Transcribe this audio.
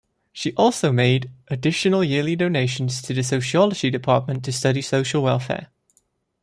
She also made additional yearly donations to the sociology department to study social welfare.